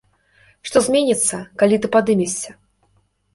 Што зменіцца, калі ты падымешся?